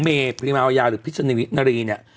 เมย์พิจารณี